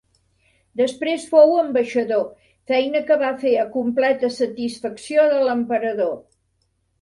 Després fou ambaixador, feina que va fer a completa satisfacció de l'emperador.